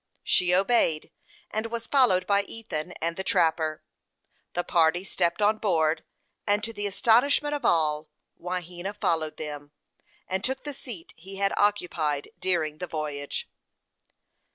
She obeyed, and was followed by Ethan and the trapper. The party stepped on board, and to the astonishment of all, Wahena followed them, and took the seat he had occupied during the voyage.